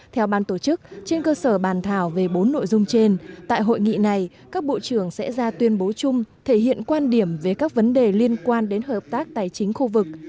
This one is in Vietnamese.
theo ban tổ chức trên cơ sở bàn thảo về bốn nội dung trên tại hội nghị này các bộ trưởng sẽ ra tuyên bố chung thể hiện quan điểm về các vấn đề liên quan đến hợp tác tài chính khu vực